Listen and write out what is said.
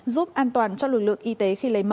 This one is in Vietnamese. giúp an toàn cho lực lượng y tế